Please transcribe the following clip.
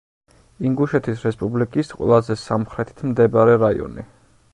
ინგუშეთის რესპუბლიკის ყველაზე სამხრეთით მდებარე რაიონი.